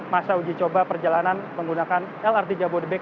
masa uji coba perjalanan menggunakan lrt jabodebek